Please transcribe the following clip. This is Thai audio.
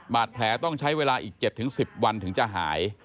บาดแผลต้องใช้เวลาอีก๗๑๐วันถึงจะหาย